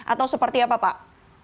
atau seperti apa pak